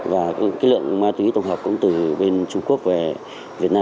và lượng ma túy tổng hợp cũng từ bên trung quốc về việt nam